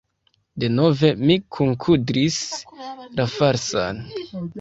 Denove mi kunkudris la falsan!